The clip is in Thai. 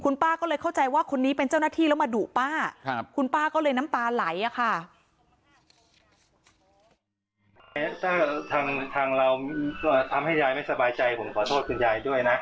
ป้าก็เลยเข้าใจว่าคนนี้เป็นเจ้าหน้าที่แล้วมาดุป้าคุณป้าก็เลยน้ำตาไหลอะค่ะ